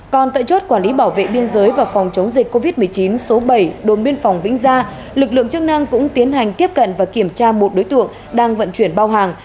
còn tại chốt quản lý bảo vệ biên giới và phòng chống dịch covid một mươi chín số bảy đồn biên phòng vĩnh gia lực lượng chức năng cũng tiến hành tiếp cận và kiểm tra một đối tượng đang vận chuyển bao hàng